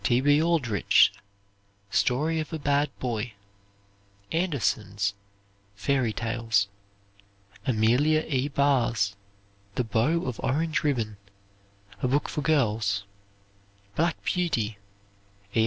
T. B. Aldrich's "Story of a Bad Boy." Anderson's "Fairy Tales." Amelia E. Barr's "The Bow of Orange Ribbon," a book for girls. "Black Beauty."